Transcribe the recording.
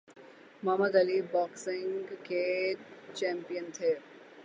محمد Ali boxing کے champion تھے۔